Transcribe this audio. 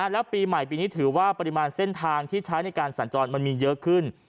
แล้วปีใหม่ปีนี้ถือว่าปริมาณเส้นทางที่ใช้ในการสัญจรมันมีเยอะขึ้น